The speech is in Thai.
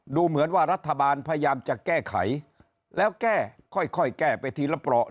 ดูเหมือนว่ารัฐบาลพยายามจะแก้ไขแล้วแก้ค่อยแก้ไปทีละเปราะ